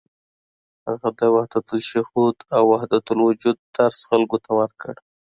هغه د وحدت الشهود او وحدت الوجود درس خلکو ته ورکړ.